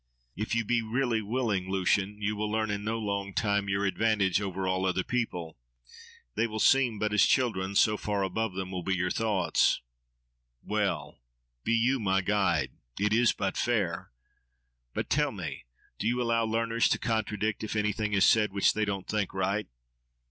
—If you be really willing, Lucian! you will learn in no long time your advantage over all other people. They will seem but as children, so far above them will be your thoughts. —Well! Be you my guide! It is but fair. But tell me—Do you allow learners to contradict, if anything is said which they don't think right?